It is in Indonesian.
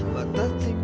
jangan sampai bocor